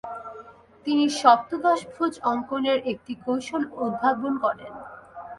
তিনি সপ্তদশভুজ অঙ্কনের একটি কৌশল উদ্ভাবন করেন।